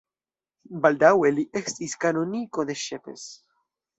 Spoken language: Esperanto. Baldaŭe li estis kanoniko de Szepes.